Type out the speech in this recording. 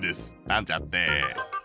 なんちゃって！